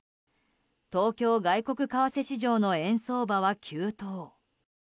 東京外国為替市場の円相場は急騰。